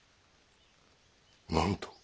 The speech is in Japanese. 何と？